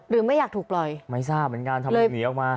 หรือไม่อยากถูกปล่อยไม่ทราบเหมือนก็เอามา